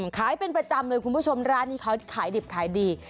ขายเป็นประจำเลยคุณผู้ชมร้านนี้เขาขายดิบขายดี